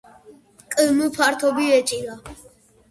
კმ ფართობი ეჭირა.